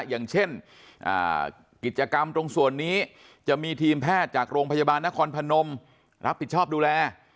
อย่างเช่นกิจกรรมตรงส่วนนี้จะมีทีมแพทย์จากโรงพยาบาลนครพนมรับผิดชอบดูแล